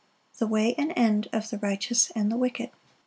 The way and end of the righteous and the wicked.